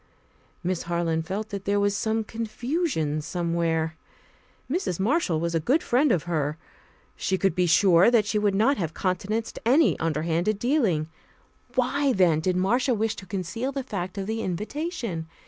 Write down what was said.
Miss Harland felt that there was some confusion somewhere. Mrs. Marshall was a good friend of her. She could be sure that she would not have countenanced any underhand dealing. Why, then, did Marcia wish to conceal the fact of the invitation?